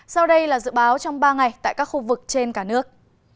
sau đây là dự báo trong ba ngày tại các khu vực trên cả nước